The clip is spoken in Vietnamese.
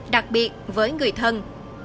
đặc biệt với người thân